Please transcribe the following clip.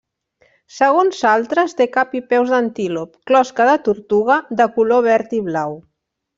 Segons altres, té cap i peus d'antílop, closca de tortuga, de color verd i blau.